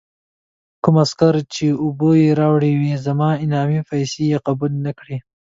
کوم عسکر چې اوبه یې راوړې وې، زما انعامي پیسې یې قبول نه کړې.